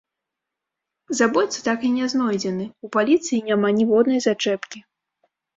Забойца так і не знойдзены, у паліцыі няма ніводнай зачэпкі.